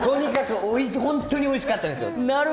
本当においしかったんです。